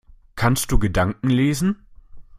Kannst du Gedanken lesen?